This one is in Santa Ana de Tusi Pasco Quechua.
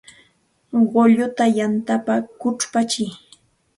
Kulluta yantapa kuchpatsiy